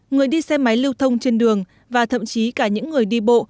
người đi xe máy lưu thông trên đường và thậm chí cả những người đi bộ